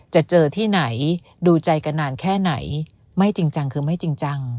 จะเจอที่ไหนดูใจกันนานแค่ไหนไม่จริงจังคือไม่จริงจัง